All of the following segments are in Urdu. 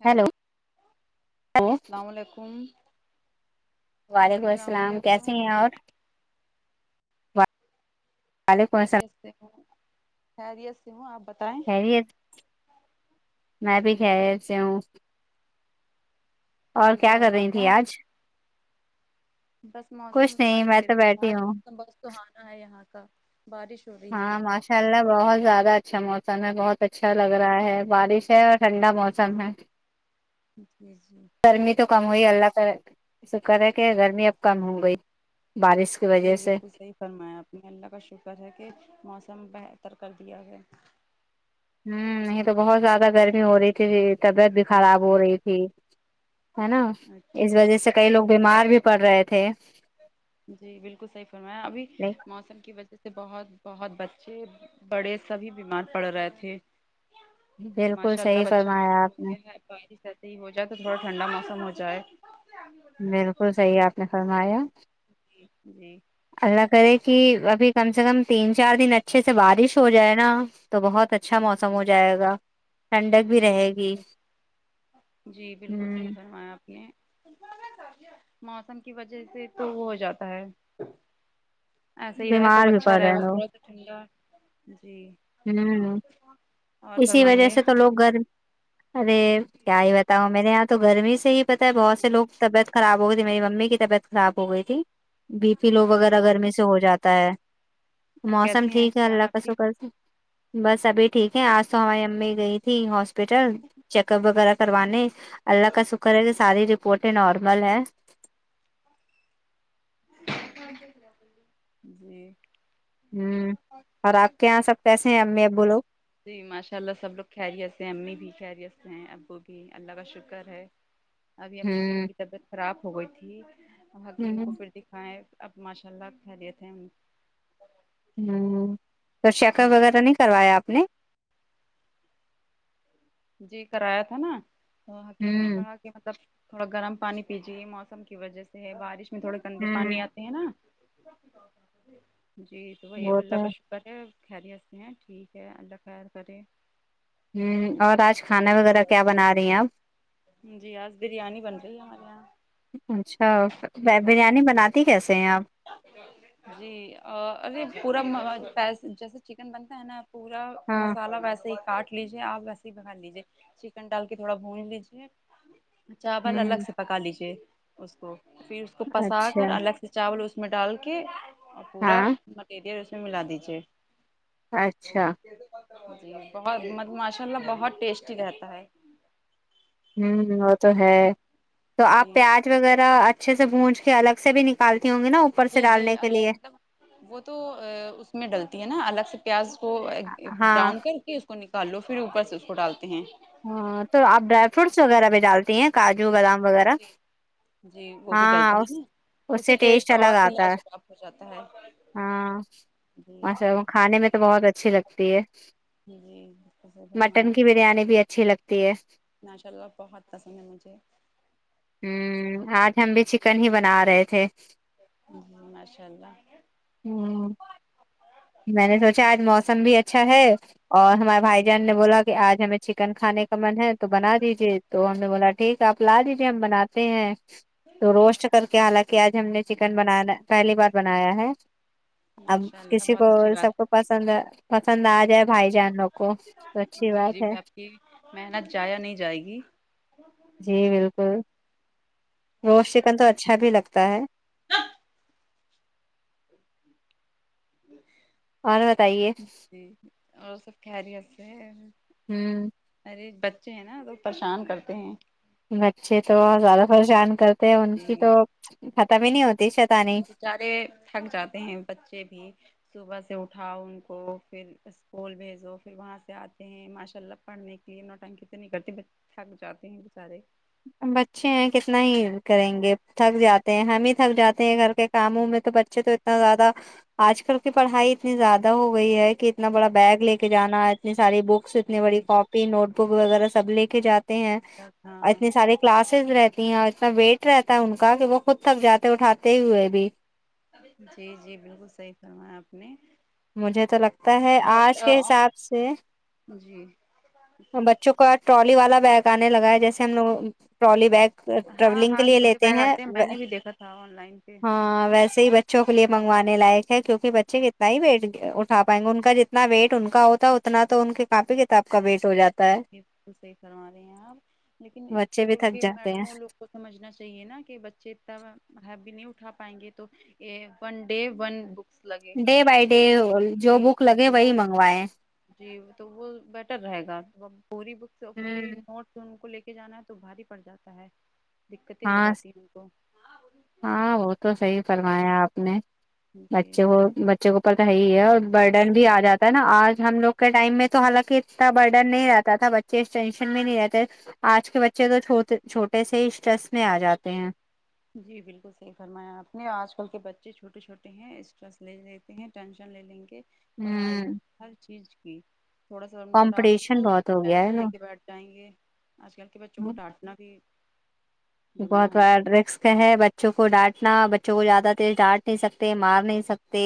ہلو ہیلو السلام علیکم وعلیکم السلام کیسے ہیں اور وعلیکم السلام خریتے خیریت سے ہوں آپ بتائیں خیریت میں بھی جی خیریت سے ہوں اور کیا ہو کر رہا رہی تھی تھا آج بس کچھ موسم کا نہیں مزہ میں لے تو رہتا تھا بیٹھی آج ہوں موسم بس توحانا ہے یہاں کا بارش ہو رہی ہے ہاں مش چلنا بہت زیادہ اچھا موسم ہے بہت اچھا لگ رہا ہے بارش ہے اور ٹھنڈا موسم ہے [inaudible] جی جی [inaudible] گرمی تو کم ہوئی اللہ کا فکر ہے کہ گرمی اب کم ہو گئی بارش [inaudible] جی سے بالکل صحیح فرمایا اپنے اللہ کا شکر ہے کہ موسم بہتر کر دیا ہے ہوں نہیں تو بہت زیادہ گرمی ہو رہی تھی ج [inaudible] طبیعت بھی جی خراب ہو جی رہی تھی ہے نا اس اچھا وجہ سے کئی لوگ بیمار بھی پڑ رہے تھے جی بالکل صحیح فرمایا ابھی موسم کی وجہ سے بہت بہت بچے بڑے سبھی بیمار پڑ رہے تھے بالکل ماشاء اللہ صحیح اب اچھا فرمایا موسم ہو آپ نے گ ہے [inaudible] بارش ایس ہی ہو جائے تو تھوڑا ٹھنڈا موسم ہو جائے بالکل صحیح ہے آپ نے فرمایا جی جی اللہ کرے کہ ابھی کم سے کم تین چار دن اچھے سے بارش ہو جائے نا تو بہت اچھا موسم جی ہو جائے گا ٹھنڈک بھی جی رہے جی گی جی بالکل صحیح ہ فرمایا آپ نے موسم کی وجہ سے تو وہ ہو جاتا ہے ایسے ہی رہے تو بیمار بھی پڑ اچھا رہے ہیں بس لوگ تو ٹھنڈا جی ہوں اور اسی وجہ فرمائیے سے تو لوگ گھر ارے کیا ہی بتاؤ مے یہاں تو گرمی سے ہی پتاہ ہے بہت سے لوگ طبیعت خراب ہو گئی تھی میری ممی کی طبیعت خراب ہو گئی تھی بی پی لو جی وغیرہ جی گگر میں سے ہو جاتا ہے اب موسم کیسی ہیں ٹھیک امی ہے جان اللہ کا آپ کی سکر سے بس ابھی ٹھیک ہے آج تو ہماری امی گئی تھی ہس ہاسپٹل چیک اپ وغیرہ کروانے اللہ کا شکر ہے کہ ساری رپورٹیں نارمل ہے جی [inaudible] ہوں اور آپ کے یہاں سب کیسے ہیں ا میں اب لوگ جی ماشاء اللہ سب لوگ خیریت ہیں امی بھی خیریت ہیں ابو بھی اللہ کا شکر ہے [inaudible] ابھی امی کی ہ تھوڑی طبیعت خراب ہو گئی تھی حکیم ہ کو پھر د کھیں اب ماشاء اللہ کہ لیے تھے ہ تو چیک اپ جی وغیرہ نہیں کروایا آپ نے جی کرایا تھا نا وہ حکیم نے ہ کہا مطلب تھوڑا گرم پانی پیجیے موسم کی وجہ سے بارش میں تھوڑے گندے پانی آ نا جی تو وہی وہ اللہ تو پش [inaudible] کرے خیری ہستتے ہیں ٹھیک ہے اللہ خیر کرے [inaudible] ہوں اور آج کھانا وغیرہ کیا بنا رہی ہیں آپ جی آس بریانی بنتی ل ہمے یہاں اچھا بریانی بناتی کیسے ہیں آپ جی ارے پورا جیسے چکن بنتا ہے نا [inaudible] پورا ہاں مسالہ ویسے ہی کاٹ لیجے آپ ویسے ہی بگا لیجے چکن ڈال کے تھوڑا بھون لیجے چاول ہ الگ سے پکا لیجیے اس کو پھر اس کو پسا اچھا کر الگ سے چاول اس میں ڈال کے اور پورا ہاں مٹیریل اس میں ملا دیجیے اچھا بہت ماشاء اللہ بہت ٹیسٹی رہتا ہے ہوں وہ تو ہے تو جی آپ پیاز وغیرہ اچھے سے بونج کے الگ سے بھی نک پالتی ہوں گی نا اوپر سے جی جی ڈالنے کے ارے لیے مطلب وہ تو اس میں ڈلتی ہے نا الگ سے پیاز کو ہاں براؤن کر کے کو نکال لو پھر اوپر سے اس کو ڈالتے ہیں ہاں تو آپ ڈرائی فروٹس وغیرہ بھی ڈالتی ہیں کاجو جی جی بادام وغیرہ جی جی وہ بھی ہاں ڈلتا ہے اس نا اس اسی سے ٹیسٹ اور الگ بھی آتا ہے لاجواب ہو جاتا ہے جی ا کھانے میں تو بہت اچھی لگتی ہے ج جی ب مٹن کی بریانی بھی اچ اچھی لگتی ہے ناشاءلہ لوپا خاتاس ن مجھے ہوں آج ہم بھی چکن ہی بنا رہے تھے ماشاء اللہ ہ میں نے سوچا آج موسم بھی اچھا ہے اور ہمارے بھائی جی جان نے بولا کہ آج ہمیں چکن کھانے کا من ہے تو بنا دیجیے تو ہم نے بولا ٹھیک ہے آپ لا دیجیے ہم بناتے ہیں تو روسٹ کر کے حالانکہ آج ہم نے چکنا پہلی بار بنایا ہے ماشاء اللہ بہتھا اور سب کو پسند پسند آ جائے بھائی جانوں کو تو اچھی بات ہے کہ محنت جایا نہیں جائے گی جی بالکل روسٹ چکن تو اچھا بھی لگتا ہے ہ [unintelligible] [inaudible] جی اور بتائیے جی اور سب کہریی سے ہوں ارے بچے ہیں نا لوگ پریشان کرتے ہیں بچے تو زیادہ پریشان کرتے ہیں ان کی جی تو ختم ہی نہیں ہوتی شیطانی بچارے تھک جاتے ہیں بچے بھی صبح سے اٹھاؤ ان کو پھر اسکول بھیجو پھر وہاں سے آتے ہیں ماشاء اللہ پڑھنے کے یہنا ٹائم کت تو نہیں کرتی ب تھک جاتے ہیں بچارے بچے ہیں کتنا ہی کریں گے جی تھک زیادہ ہم ہی تھک جاتے ہیں گھر کے کام ووم میں تو بچے تو اتنا زیادہ آج کل کی پڑھائی اتنی زیادہ ہو گئی ہے کہ اتنا بڑا بیگ لے کے جانا اتنی ساری بکس اتنی بڑی جی کاپی نوٹ بک وغیرہ سب لے کے جاتے ہیں اور ہاں اتنی کلاسز رہتی ہیں اور اتنا ویٹ رہتا ہے ان کا کہ وہ خود تب جاتے اٹھاتے ہوئے بھی جی جی بالکل صحیح فرمایا آپ نے مجھے تو لگتا ہے آج کے بتاؤ حساب سے جی بچوں کا ٹرالی والا بیگ پکانے لگا ہے جیسے ہم لوگ ٹرالی بگ ہاں ٹریولنگ کے ہاں لیے چھوٹے لیتے بیگ ہیں آتے میں نے بھی دیکھا تھا آن لائن پہ ہاں ویسے ی بچوں کے لیے مگانے لائق ہے کیونک بچے اتنا ہی بیٹ اٹھا پائیں گے ان کا جتنا ویٹ ان کا ہوتا ہے اتنا تو ان کے کاپی ک آ کا بی تو صح کروا رہے ہیں آپ لیکن بچے بھی اسکول تھک کے جاتے ہیں میڈموں لوگ کو سمجھنا چاہیے نا کہ بچے تب ہی بھی نہیں اٹھا پائیں گے تو ا ون ڈے ونک لگے ڈے بائی ڈے جو جی بک لگے تو وہی وہ منگوائے جی تو وہ بی رہے گا پوری بکس پوری نوٹس ان کو لے کے جانا ہے تو بھاری پڑ جاتا ہے دقتیں ہو ہاں جاتی ہیں ان کو ہاں وہ تو صحی فرمایا آپ نے جی بچے کو بچوں کے اوپر تو ہےی ہے اور برڈن بھی آ جاتا ہے نا آج ہم لوگ کے ٹائم میں تو حالانکہ اتنا برڈن نہیں رہتا تھا بچ چ ٹینشن میں نہیں رہتے آج کے بچے توو چھوٹے سے ہی اسٹریس میں آ جاتے ہیں جی بالکل صحیح فرمایا آپ نے آج کل کے بچے چھوٹے چھوٹے ہیں اسٹس لے لی ٹینشن لے لیں گے پڑھائی ہوں ہر چیز کی تھوڑا سا ان کو ڈانٹ د کمپٹیشن تو بہت ہو گیا ہے ٹینشن نا لے کے بیٹھ جائیں گے آج کل کے بچوں کو ڈانٹنا بھی گناہ بہت ہے بارا ڈرگس ہے بچوں کو ڈانٹنا بچوں کو زیادہ ڈانٹ نہیں سکتے مار نہیں سکتے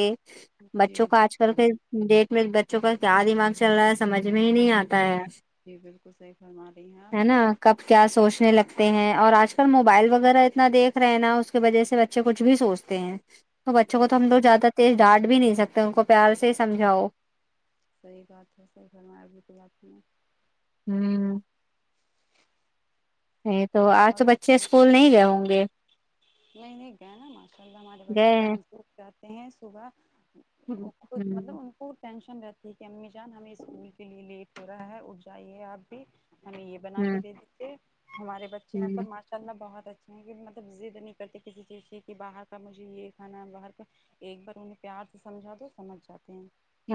جی بچوں کا آج س ڈیٹ میں بچوں کا کیا دماغ چل رہا ہے سمجھ میں ہی نہیں آتا ہے جی بالکل صحیح فرما رہی ہیں آپ ہے نا کب کیا ج سوچنے لگتے ہیں اور آج کل موبائل وغیرہ اتنا دیکھ رہے نا اس کی وجہ سے بچے کچھ بھی سوچتے ہیں تو بچوں کو تو ہم جی لگ زیادہ تیز ڈانٹ بھی نہیں سکتے ان کو پیار سے ہی سمجھاؤ صحیح بات ہے سر گھر میں کےلاتی میں ہوں نہیں تو آج تو بچے اور اسکول نہیں گئے ہوں گے نہیں نہیں گئے نا ماشاء اللہ ہمارے بچے گئے ہیں ٹیمیں سے اٹھ جاتے ہیں صبح ہ خود مطلب ان کو ٹینشن رہتی ہے کہ امی جان ہمیں اسکول کے لیے لیٹ ہو رہا ہے ا جائیے آپ بھی ہمیں یہ بنا کے ہ دے دیتے ہمارے ہ بچے ہ مطلب ماسٹر چلنا بہت اچھا ہےونہ مطلب ضد نہیں کرتی کسی چیز کی کہ باہر کا مجھے یہ کھانا باہر کا ایک بار انہیں پیار سے سمجھا دو سمجھ جاتے ہیں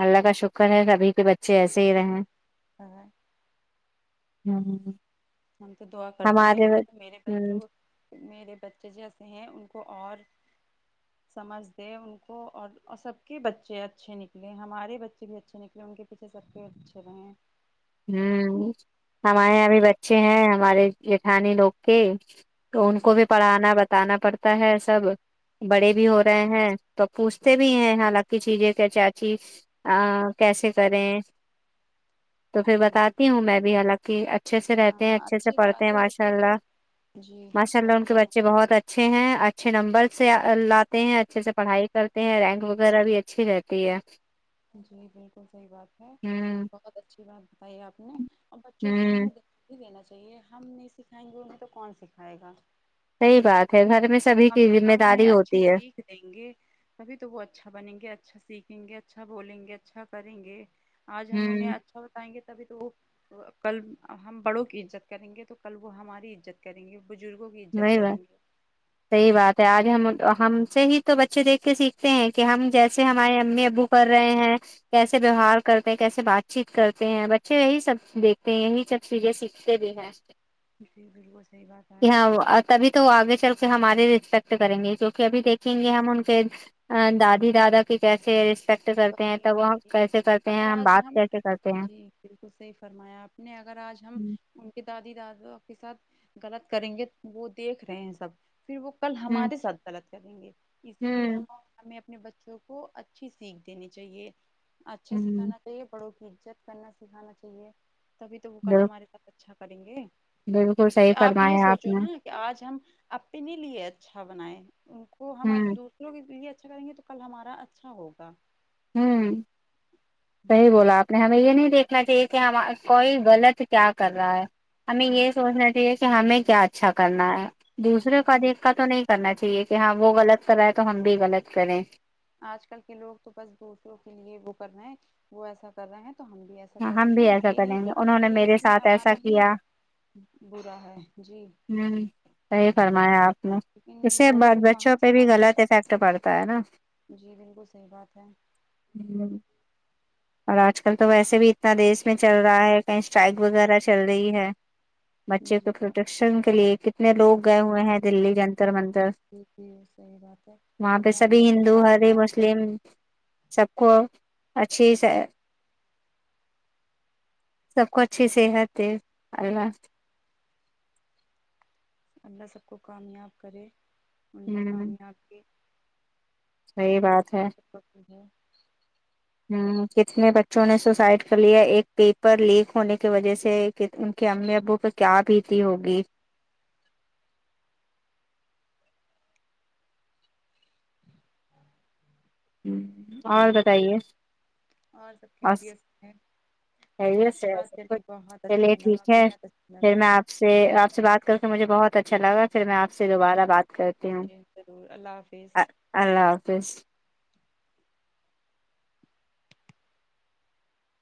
اللہ کا شکر ہے سبھی کے بچے ایسے ہی رہیں [unintelligible] ہم تو دعا کرتے ہیں ہمارے البہ میرے ہوں بچوں میرے بچے جی ایسے ہیں ان کو اور [inaudible] سمجھ دیں ان کو اور سب کے بچے اچھے نکلیں ہمارے بچے بھی اچھے نکلے ان کے پیچھے سب کے اچھے رہیں ہوں ہمارے یہاں بھی بچے ہیں ہمارے جیٹھانی لوگ کے تو ان ہوں کو بھی پڑھانا بتانا پڑتا ہے سب بڑے بھی ہو رہے ہیں تو پوچھتے بھی ہیں حالانکی چیزیں کہ چاچی ہ کیسے کریں تو پھر بتاتی ہوں میں بھی حالانکہ اچ اچھے سے رہتے ہیں ہاں اچھے سے اچھی پڑھتے ہیں بات ہے ماشاء بچوں اللہ کو جی ماشاء اللہ صحیح ان کے بنا بچے بہت اچھے اچھے ہیں اچھے نمبر سے لاتے ہیں اچھے سے پڑھائی کرتے ہیں رینک وغیرہ بھی اچھی رہتی ہے جی بالکل صحیح بات ہے ہوں بہت اچھی بات بتائی آپ نے اور بچوں کو ہوں ہمیں د بھی دینا چاہیے ہم نہیں سکھائیں گے انہیں تو کون سکھائے گا صحیح بات ہے گھر میں سبھی کی ذمہ داری ہوتی ہے لیں گے تبھی تو وہ اچھا بنیں گے اچھا سیکھیں گے اچھا بولیں گے اچھا کریں گے آج ہم انہیں ہوں اچھا بتائیں گے تبھی تو وہ تو کل ہم بڑوں کی عزت کریں گے تو کل وہ ہماری عزت کریں گے بزرگوں کی عزت وہی کریں گے [inaudible] صحیح بات ہے آج ہم ہم سے ہی تو بچے دیکھ کے سیکھتے ہیں کہ ہم جیسے ہمارے امی ابو کر رہے ہیں کیسے ویوہار کرتے کیسے بات چیت کرتے ہیں بچے یہی سب دیکھتے ہیں یہی سب چیزیں سیکھتے بھی ہیں جی بالکل صحیح بات ہے کہ تبھی تو وہ آگے چل کے ہمارے رسپیکٹ کریں گے کیوںکہ ابھی دیکھیں گے ہم ان کے دادی دادا کی کیسے رسپیکٹ کرتے ہیں وہی تب وہ وہی ت کیسے کرتے ہیں اگر آج بات ہم کیسے کرتے ہیں جی بالکل صحیح فرمایا آپ نے اگر آج ہم ان کے دادی دادا کے ساتھ غلط کریں گے وہ دیکھ رہے ہیں سب پھر وہ کل ہ ہمارے ساتھ غلط کریں گے اسی لیے ہ ہم ہمیں اپنے بچوں کو اچھی سیکھ دینی چاہیے اچھا ہ سکھانا چاہیے بڑوں کی عزت کرنا سکھانا چاہیے تبھی تو وہ کل ہ ہمارے ساتھ اچھا کریں گے بالکل صحیح آپ یہ فرمایا سوچو نے نا آج ہم اپنے لیے اچھا بنائیں ان کو ہم آ ہوں دوسروں کے لیے اچھا کریں گے تو کل ہمارا اچھا ہوگا ہوں صحیح جی بولا آپ نہیں ہمیں یہ نہیں دیکھنا چاہیے کہ ہم کوئی غلط کیا کر رہا ہے ہمیں جی یہ سوچنا کہ ہمیں کیا اچھا کرنا ہے جی دوسرے کا بالکل دیکھتا صحیح۔ تو نہیں کرنا چاہیے کہ ہاں وہ غلط کر رہا ہے تو ہم بھی غلط کریں آج کل کے لوگ تو بس دوسروں کے لیے وہ کر رہے ہے وہ ایسا کر رہے ہیں تو ہم بھی ایا ایسا کریں ہم بھی گے ایسا یہ نہیں کریں گے سوچنے انہوں نے کے میرے اس میں ساتھ ایسا ہمارا ہی کیا برا ہے جی ہوں صحیح فرمائیں آپ لیکن اس سے لوگوں کو بعد کہاں بچوں پہ بھی سمجھ غلط رہتی افیکٹ پڑتا ہے نا جی بالکل صحیح بات ہے ہی اور آج کل تو ویسے بھی اتنا دیس میں چل رہا ہے کہیں اسٹرائک وغیرہ چل رہی ہے بچے کے جی جی پروٹیکشن کے لیے کتنے لوگ گئے ہوئے ہیں دللی کے اننتر منتر ٹھیک ہے صحیح بات ہے اللہ کافکم ہیں آپ فلم سب کو اچھی [unintelligible] سب کو اچھے سے ہےتے اللہ اللہ سب کو کامیاب کرے ان کی ہ کامیاب کی صحیح ان کی بات ہے د ہے ہ کتنے بچوں نے سوسائڈ کر لیا ایک پیپر لیک ہونے کی وجہ سے ان کے امی ابو پہ کیا بھیتی ہوگی [inaudible] اور جی بتائیے اور سب خیریت ہیں مجھے خیریت آپ سے ہے بات سب کر کے کچھ بہت چلیے اچھا لگا ٹھیک ہے بےحد اچھا پھر میں آپ سے لگااء آپ سے بات کر کے ال مجھے بہت اچھا لگا پھر میں آ سے دوبارہ بات جی کرتی ہوں جی ضرور اللہ حافظ اللہ حافظ